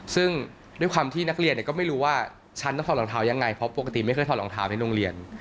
ซึ่งด้วยความที่นักเรียนก็ไม่รู้ว่าฉันต้องถอดรองเท้ายังไงเพราะปกติไม่เคยถอดรองเท้าที่โรงเรียน